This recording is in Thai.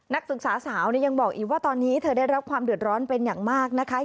นักศึกษาสาวยังบอกอีกว่าตอนนี้เธอได้รับความเดือดร้อนเป็นอย่างมากนะคะ